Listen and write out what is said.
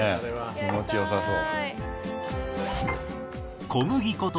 気持ちよさそう。